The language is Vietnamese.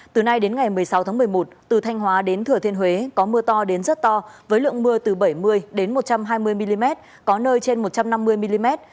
từ nay đến ngày một mươi sáu tháng một mươi một từ thanh hóa đến thừa thiên huế có mưa to đến rất to với lượng mưa từ bảy mươi đến một trăm hai mươi mm có nơi trên một trăm năm mươi mm